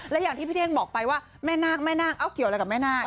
และอย่างที่พี่เท่งบอกไปว่าแม่นาคแม่นาคเอ้าเกี่ยวอะไรกับแม่นาค